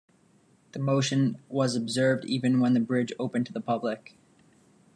The motion was observed even when the bridge opened to the public.